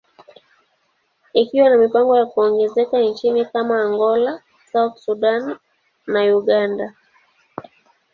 ikiwa na mipango ya kuongeza nchi kama Angola, South Sudan, and Uganda.